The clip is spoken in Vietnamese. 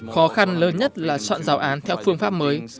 khó khăn lớn nhất là soạn giáo án theo phương pháp mới